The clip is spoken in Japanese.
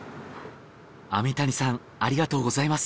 網谷さんありがとうございます。